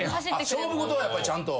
勝負事はやっぱちゃんと。